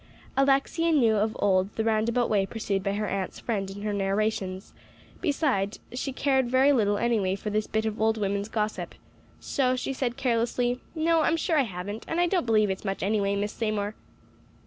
Alexia knew of old the roundabout way pursued by her aunt's friend in her narrations. Besides, she cared very little anyway for this bit of old women's gossip. So she said carelessly, "No, I'm sure I haven't; and I don't believe it's much anyway, Miss Seymour."